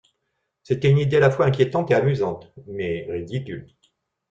C’était une idée à la fois inquiétante et amusante, mais ridicule.